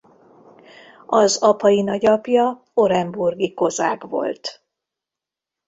Az apai nagyapja orenburgi kozák volt.